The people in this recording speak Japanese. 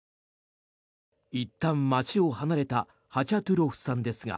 いったん街を離れたハチャトゥロフさんですが。